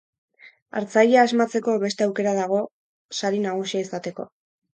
Hartzailea asmatzeko beste aukera dago sari nagusia izateko.